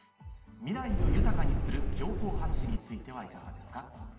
「未来を豊かにする情報発信」についてはいかがですか？